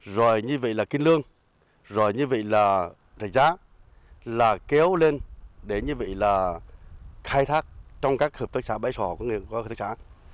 rồi như vậy là kiên lương rồi như vậy là rạch giá là kéo lên để như vậy là khai thác trong các hợp tác xã bãi sò của người hợp tác xã